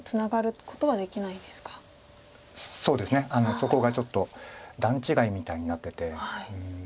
そこがちょっと段違いみたいになってて。